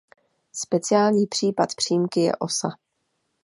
Speciální případ přímky je osa.